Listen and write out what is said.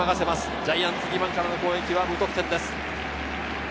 ジャイアンツ２番からの攻撃は無得点です。